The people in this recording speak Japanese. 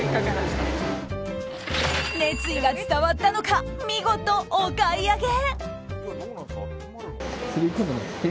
熱意が伝わったのか見事、お買い上げ！